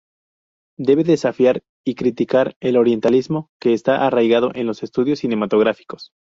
Debe desafiar y criticar el orientalismo que está arraigado en los estudios cinematográficos.